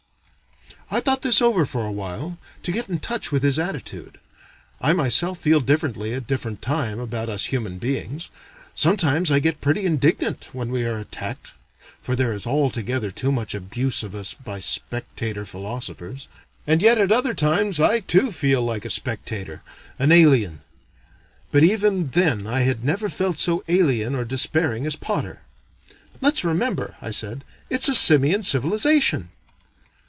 I thought this over for awhile, to get in touch with his attitude. I myself feel differently at different times about us human beings: sometimes I get pretty indignant when we are attacked (for there is altogether too much abuse of us by spectator philosophers) and yet at other times I too feel like a spectator, an alien: but even then I had never felt so alien or despairing as Potter. "Let's remember," I said, "it's a simian civilization."